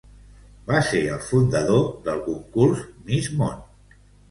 Va ser el fundador del concurs Miss Món.